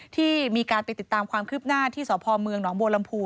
ที่มีการไปติดตามความคืบหน้าที่สพเมืองหนองบัวลำพู